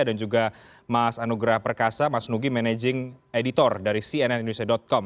dan juga mas anugrah perkasa mas nugi managing editor dari cnnindonesia com